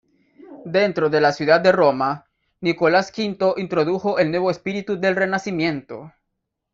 Dentro de la ciudad de Roma, Nicolás V introdujo el nuevo espíritu del Renacimiento.